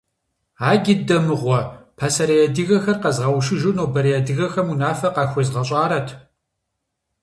Аджыдэ мыгъуэ, пасэрей адыгэхэр къэзгъэушыжу нобэрей адыгэхэм унафэ къахуезгъэщӏарэт!